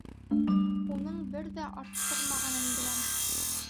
Уның бер ҙә арттырмағанын беләм.